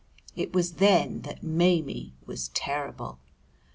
It was then that Maimie was terrible.